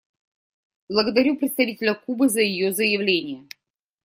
Благодарю представителя Кубы за ее заявление.